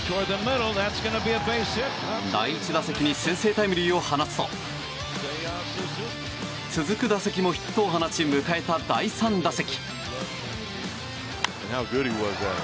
第１打席に先制タイムリーを放つと続く打席もヒットを放ち迎えた第３打席。